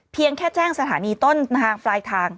เพียงแค่แจ้งสถานีต้นทางปลายทาง